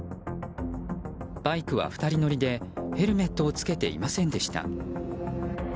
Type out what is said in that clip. バイクは２人乗りでヘルメットを着けていませんでした。